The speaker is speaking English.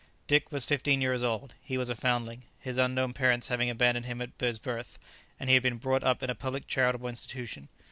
Dick was fifteen years old; he was a foundling, his unknown parents having abandoned him at his birth, and he had been brought up in a public charitable institution.